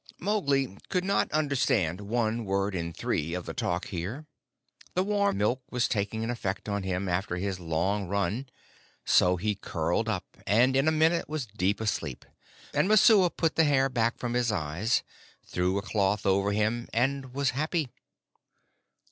Mowgli could not understand one word in three of the talk here; the warm milk was taking effect on him after his long run, so he curled up and in a minute was deep asleep, and Messua put the hair back from his eyes, threw a cloth over him, and was happy.